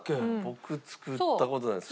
僕作った事ないです